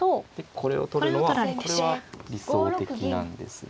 これを取るのはこれは理想的なんですが。